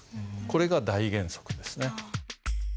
これが大原則ですね。